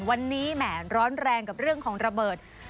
วันนี้แหมร้อนแรงกับเรื่องของระเบิด